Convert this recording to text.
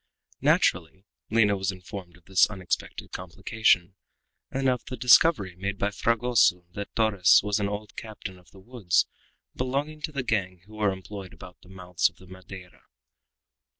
Naturally, Lina was informed of this unexpected complication, and of the discovery made by Fragoso that Torres was an old captain of the woods belonging to the gang who were employed about the mouths of the Madeira.